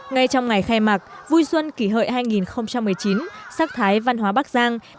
ngay trong ngày khai mạc vui xuân kỷ hợi hai nghìn một mươi chín sắc thái văn hóa bắc giang